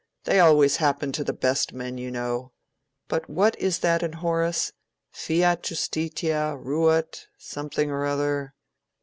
They always happen to the best men, you know. But what is that in Horace?—fiat justitia, ruat … something or other."